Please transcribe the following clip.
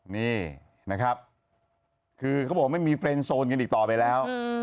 นี่นะครับคือเขาบอกไม่มีเฟรนดโซนกันอีกต่อไปแล้ว